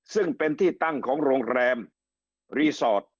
ซึ่งเป็นที่ตั้งของโรงแรมรีสอร์ท